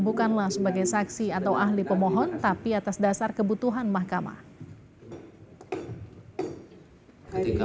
bukanlah sebagai saksi atau ahli pemohon tapi atas dasar kebutuhan mahkamah